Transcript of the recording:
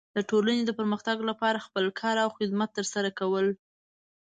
د ټولنې د پرمختګ لپاره خپل کار او خدمت ترسره کول.